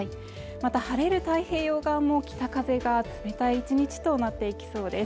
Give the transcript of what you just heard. また晴れる太平洋側も北風が冷たい１日となっていきそうです